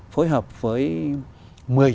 phối hợp với